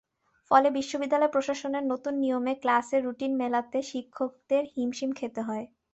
ফলে বিশ্ববিদ্যালয় প্রশাসনের নতুন নিয়মে ক্লাসের রুটিন মেলাতে শিক্ষকদের হিমশিম খেতে হচ্ছে।